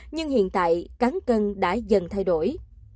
nhưng hiện tại cán cân đã dần thay đổi